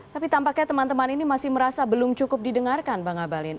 tapi tampaknya teman teman ini masih merasa belum cukup didengarkan bang abalin